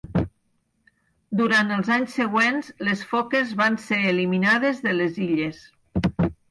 Durant els anys següents, les foques van ser eliminades de les illes.